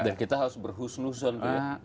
dan kita harus berhusn husn gitu ya